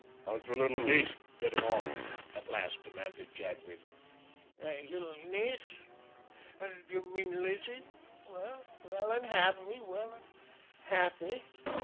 "How's your little niece getting on?" at last demanded Jadwin. "My little niece you mean Lizzie? ... Well and happy, well and happy.